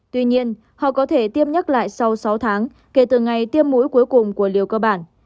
tuy nhiên họ có thể tiêm nhắc lại sau sáu tháng kể từ ngày tiêm mũi cuối cùng của liều cơ bản